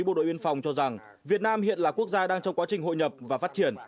bộ đội biên phòng cho rằng việt nam hiện là quốc gia đang trong quá trình hội nhập và phát triển